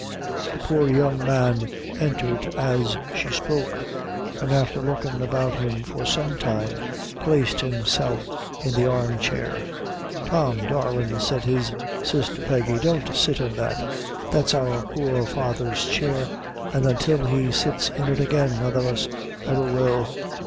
The poor young man entered as she spoke; and after looking about him for some time, placed himself in the arm chair. "Tom, darlin'," said his sister Peggy, "don't sit in that that's our poor father's chair; an' until he sits in it again, none of us ever will."